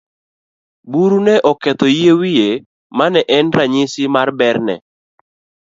Buru ne oketho yie wiye mane en ranyisi mar berne.